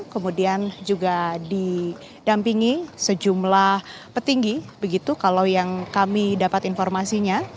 kemudian juga didampingi sejumlah petinggi begitu kalau yang kami dapat informasinya